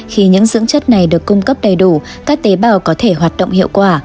khi những dưỡng chất này được cung cấp đầy đủ các tế bào có thể hoạt động hiệu quả